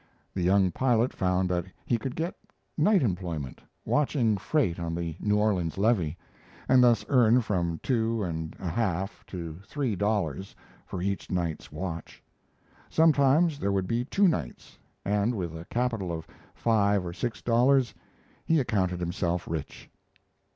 The young pilot found that he could get night employment, watching freight on the New Orleans levee, and thus earn from two and a half to three dollars for each night's watch. Sometimes there would be two nights, and with a capital of five or six dollars he accounted himself rich.